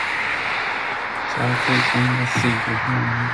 Joretenge imiyo tije matek to rowere